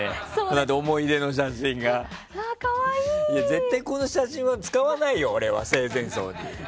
絶対この写真は使わないよ生前葬に。